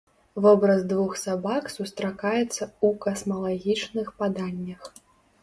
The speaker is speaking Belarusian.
Вобраз двух сабак сустракаецца ў касмалагічных паданнях.